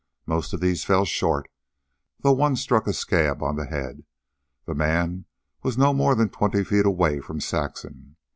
Most of these fell short, though one struck a scab on the head. The man was no more than twenty feet away from Saxon.